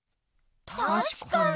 たしかに。